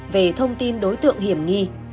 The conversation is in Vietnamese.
về thông tin đối tượng hiểm nghi